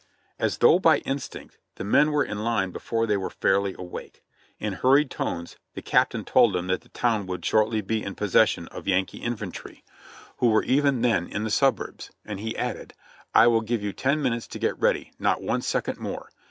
As though by instinct the men were in line before they were fairly awake. In hurried tones the Captain told them that the town would shortly be in possession of Yankee infantry, who 38 JOHNNY REB AND BIIvI^Y YANK were even then in the suburbs, and he added, "I will give you ten minutes to get ready, not one second more.